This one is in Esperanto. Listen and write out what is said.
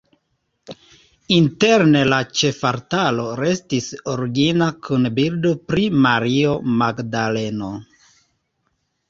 Interne la ĉefaltaro restis origina kun bildo pri Mario Magdaleno.